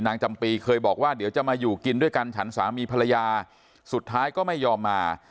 จำปีเคยบอกว่าเดี๋ยวจะมาอยู่กินด้วยกันฉันสามีภรรยาสุดท้ายก็ไม่ยอมมา